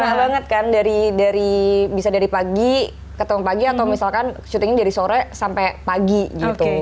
stamina banget kan bisa dari pagi ke tengah pagi atau misalkan syutingnya dari sore sampai pagi gitu